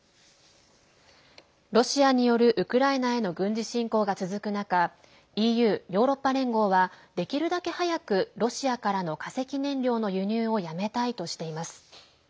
ロシアによるウクライナへの軍事侵攻が続く中ＥＵ＝ヨーロッパ連合はできるだけ早くロシアからの化石燃料の輸入をやめたいとしています。